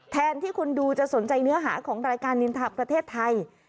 แทนที่คนดูจะสนใจเนื้อหาของรายการนินทาประเทศไทย